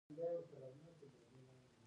عبدالرؤف بېنوا د مفتي عبدالله زوی و.